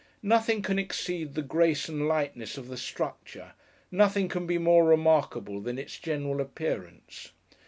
Nothing can exceed the grace and lightness of the structure; nothing can be more remarkable than its general appearance.